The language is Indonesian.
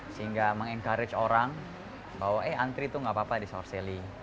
sehingga mengencourage orang bahwa eh antri itu gak apa apa di saur seli